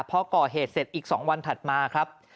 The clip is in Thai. พอก่อเหตุเสร็จอีก๒วันถัดมาครับ